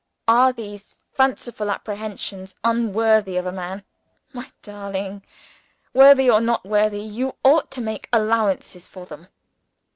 Are these fanciful apprehensions, unworthy of a man? My darling! worthy or not worthy, you ought to make allowances for them.